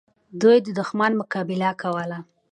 دوی د دښمن مقابله کوله.